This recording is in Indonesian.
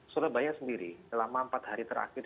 surabaya sendiri selama empat hari terakhir